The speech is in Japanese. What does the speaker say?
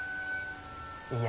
いや。